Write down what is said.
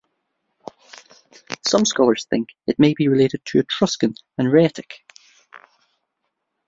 Some scholars think it may be related to Etruscan and Raetic.